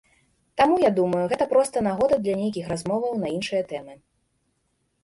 Таму, я думаю, гэта проста нагода для нейкіх размоваў на іншыя тэмы.